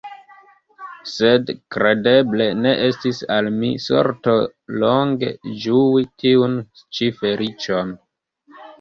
Sed kredeble ne estis al mi sorto longe ĝui tiun ĉi feliĉon.